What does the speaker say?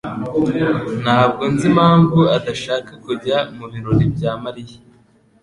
Ntabwo nzi impamvu adashaka kujya mubirori bya Mariya.